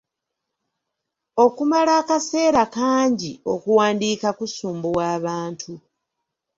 Okumala akaseera kangi okuwandiika kusumbuwa abantu.